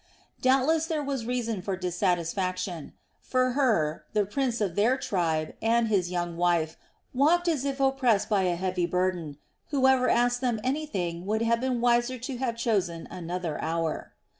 Doubtless there was reason for dissatisfaction; for Hur, the prince of their tribe, and his young wife walked as if oppressed by a heavy burden; whoever asked them anything would have been wiser to have chosen another hour.